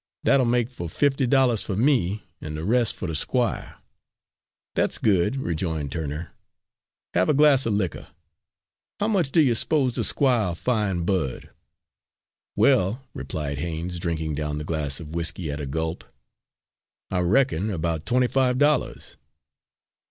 That'll make fo' fifty dollars fer me, an' the res' fer the squire." "That's good," rejoined Turner. "Have a glass of liquor. How much do you s'pose the Squire'll fine Bud?" "Well," replied Haines, drinking down the glass of whiskey at a gulp, "I reckon about twenty five dollars."